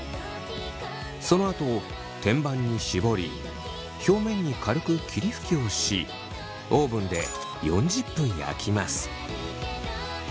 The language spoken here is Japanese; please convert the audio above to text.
そのあと天板に絞り表面に軽く霧吹きをしオーブンで４０分焼きます。